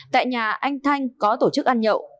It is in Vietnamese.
tại nhà anh thanh có tổ chức ăn nhậu